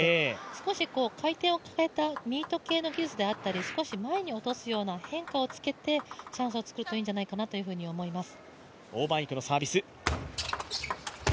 少し回転を変えたミート系の技術であったり少し前に落とすような変化をつけてチャンスを作るといいんじゃないかなと思います。